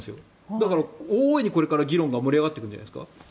だから、大いにこれから議論が盛り上がっていくんじゃないですか？